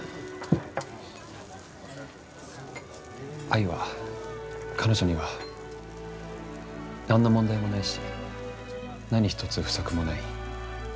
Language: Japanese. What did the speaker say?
愛は彼女には何の問題もないし何一つ不足もない。